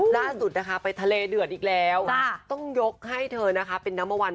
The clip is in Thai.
ล่าสุดนะคะไปทะเลเดือดอีกแล้วต้องยกให้เธอนะคะเป็นนัมมะวัน